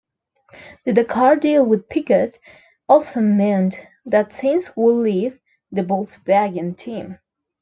The Dakar deal with Peugeot also meant that Sainz would leave the Volkswagen team.